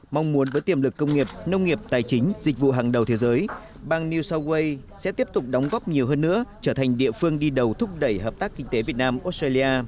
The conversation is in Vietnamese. mong muốn với tiềm lực công nghiệp nông nghiệp tài chính dịch vụ hàng đầu thế giới bang new south wales sẽ tiếp tục đóng góp nhiều hơn nữa trở thành địa phương đi đầu thúc đẩy hợp tác kinh tế việt nam australia